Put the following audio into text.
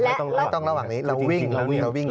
ไม่ต้องระหว่างนี้เราวิ่งอยู่แล้ว